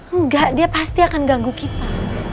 enggak dia pasti akan ganggu kita